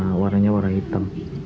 kalau yang sehat warna warna hitam